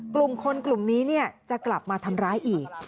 กลุ่มคนกลุ่มนี้จะกลับมาทำร้ายอีก